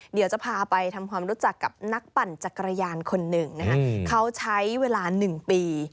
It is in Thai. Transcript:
เดี๋ยวจะพาไปทำความรู้จักกับนักปั่นจักรยานคนหนึ่งนะฮะเขาใช้เวลา๑ปี